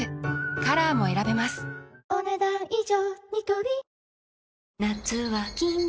カラーも選べますお、ねだん以上。